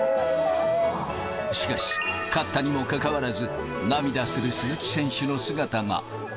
しかし、勝ったにもかかわらず、涙する鈴木選手の姿が。